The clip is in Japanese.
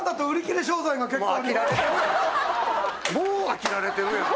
もう飽きられてるやん。